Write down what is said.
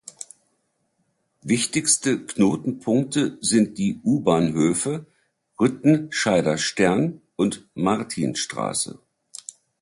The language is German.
Wichtigste Knotenpunkte sind die U-Bahnhöfe Rüttenscheider Stern und Martinstraße.